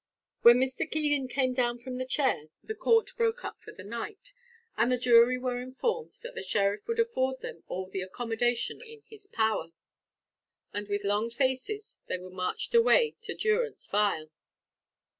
When Mr. Keegan came down from the chair, the court broke up for the night, and the jury were informed that the sheriff would afford them all the accommodation in his power; and with long faces they were marched away to durance vile.